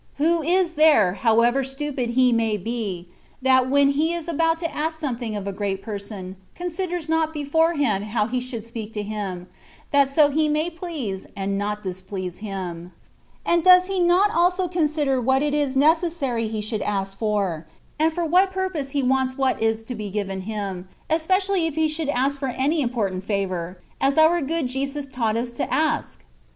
Who is there, however stupid he may be. THE WAY OF PERFECTION. 145 that when he is about to ask something of a great person, considers not beforehand how he should speak to him, that so he may please, and not dis please him. And does he not also consider what it is necessary he should ask for, and for what purpose he wants what is to be given to him, especially if he should ask for any important favour, as our good Jesus teaches us to ask?